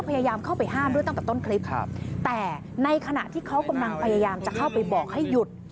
พยายามเข้าไปห้ามด้วยตั้งแต่ต้นคลิปครับแต่ในขณะที่เขากำลังพยายามจะเข้าไปบอกให้หยุด